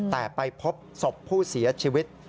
แต่ไปพบศพผู้เสียชีวิต